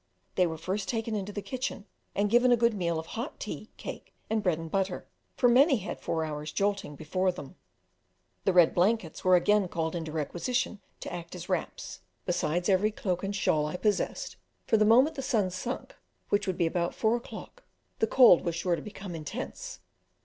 They were first taken into the kitchen and given a good meal of hot tea, cake, and bread and butter, for many had four hours' jolting before them; the red blankets were again called into requisition to act as wraps, besides every cloak and shawl I possessed, for the moment the sun sunk, which would be about four o'clock, the cold was sure to become intense.